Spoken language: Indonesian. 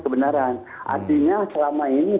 kebenaran artinya selama ini